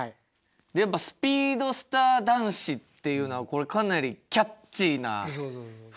やっぱ「スピードスター男子」っていうのはこれかなりキャッチーなフレーズですよね。